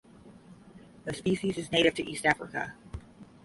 The species is native to East Africa.